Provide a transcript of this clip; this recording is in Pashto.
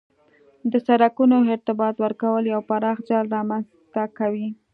د سرکونو ارتباط ورکول یو پراخ جال رامنځ ته کوي